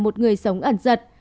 một người sống ẩn rật